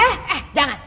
eh eh jangan